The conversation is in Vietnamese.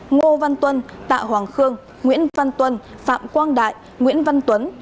ngô văn tuân tạ hoàng khương nguyễn văn tuân phạm quang đại nguyễn văn tuấn